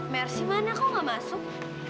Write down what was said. mersi mana kok gak masuk